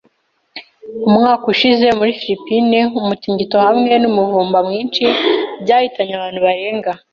Umwaka ushize muri Filipine, umutingito hamwe n’umuvumba mwinshi byahitanye abantu barenga